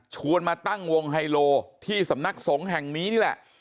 มาตั้งวงไฮโลที่สำนักสงฆ์แห่งนี้นี่แหละ